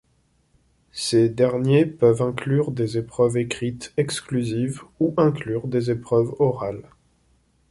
Ces derniers peuvent inclure des épreuves écrites exclusives ou inclure des épreuves orales.